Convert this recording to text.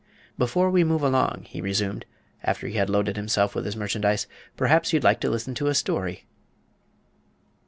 "Before we move along," he resumed, after he had loaded himself with his merchandise, "perhaps you'd like to listen to a story?"